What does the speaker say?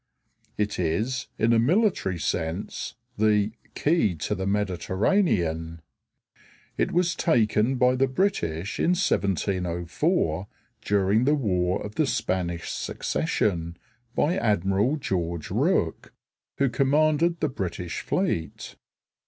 It is in a military sense the "key to the Mediterranean." It was taken by the British in 1704, during the war of the Spanish Succession, by Admiral George Rooke, who commanded the British fleet.